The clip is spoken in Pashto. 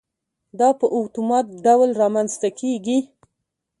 دا په اتومات ډول رامنځته کېږي.